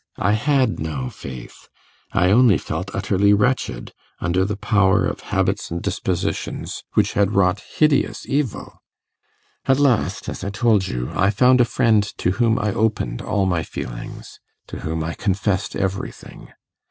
I had no faith; I only felt utterly wretched, under the power of habits and dispositions which had wrought hideous evil. At last, as I told you, I found a friend to whom I opened all my feelings to whom I confessed everything.